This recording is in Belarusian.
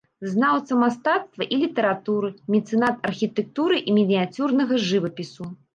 Знаўца мастацтва і літаратуры, мецэнат архітэктуры і мініяцюрнага жывапісу.